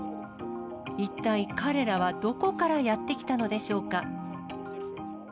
一体彼らはどこからやって来たのでしょうか。